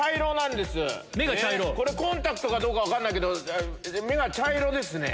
これコンタクトかどうか分かんないけど目が茶色ですね。